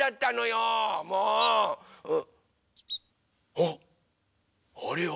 ・あっあれは。